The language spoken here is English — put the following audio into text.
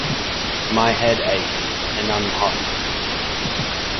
My head aches, and I'm hot.